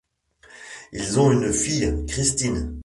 Ils ont une fille, Christine.